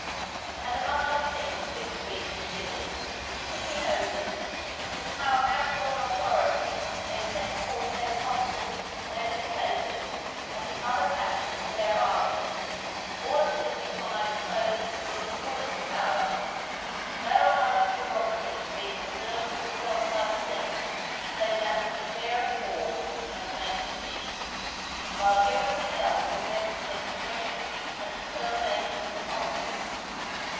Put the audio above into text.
And among other things fit to be considered, it should be noted, with how ample an authority they sent forth their consuls, their dictators, and the other captains of their armies, all of whom we find clothed with the fullest powers: no other prerogative being reserved to itself by the senate save that of declaring war and making peace, while everything else was left to the discretion and determination of the consul.